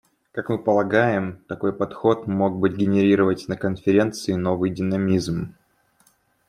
Как мы полагаем, такой подход мог бы генерировать на Конференции новый динамизм.